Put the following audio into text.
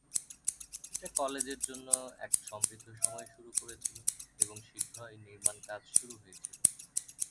এটা কলেজের জন্য এক সমৃদ্ধ সময় শুরু করেছিল এবং শীঘ্রই নির্মাণ কাজ শুরু হয়েছিল।